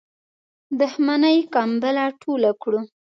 دښمنی کمبله ټوله کړو.